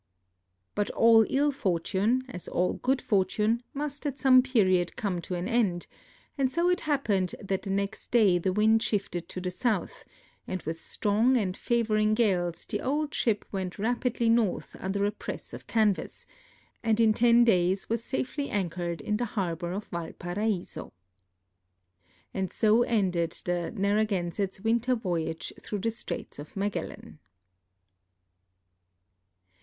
But all ill fortune, as all good fortune, must at some period come to an end, and so it happened that the next day the wind shifted to the south, and with strong antl favoring gales the t»ld ship went rapidly north under a press of canvas, and in ten days was safely anchored in the harbor of Valparaiso. And so ended the NarracjametCs winter voyage through the Straits of Magellan.